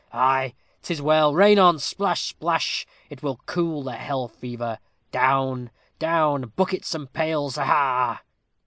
Ay, 'tis well rain on splash, splash: it will cool the hell fever. Down, down buckets and pails, ha, ha!"